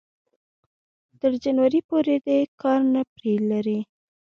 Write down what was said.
تر جنوري پورې دې کار نه پرې لري